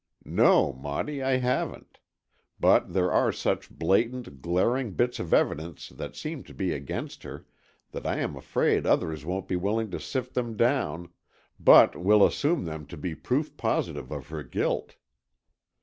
"No, Maudie, I haven't. But there are such blatant, glaring bits of evidence that seem to be against her, that I am afraid others won't be willing to sift them down, but will assume them to be proof positive of her guilt."